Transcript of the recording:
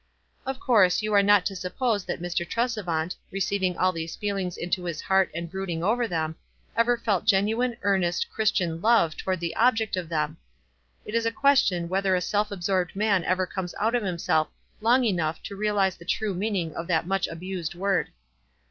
Of course you are not to suppose that Mr. Tresevant, receiving all these feelings into his heart and brooding over them, ever felt genuine, earnest, Christian love toward the ob ject of them. It is a question whether a self 5 $5 WISE AND OTHERWISE. absorbed man ever comes out of himself long enough to realize the true meaning of that much abused word.